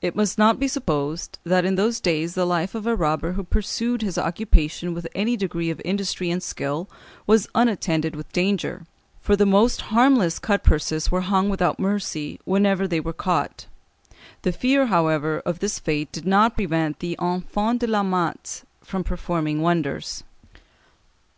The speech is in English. It must not be supposed that in those days the life of a robber who pursued his occupation with any degree of industry and skill was unattended with danger, for the most harmless cut purses were hung without mercy whenever they were caught; the fear, however, of this fate did not prevent the Enfants de la Matte from performing wonders.